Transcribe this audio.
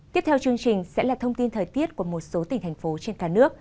tiếp theo chương trình sẽ là thông tin thời tiết của một số tỉnh thành phố trên cả nước